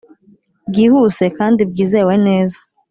bwihuse kandi bwizewe neza.